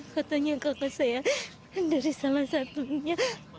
katanya kakak saya dari salah satunya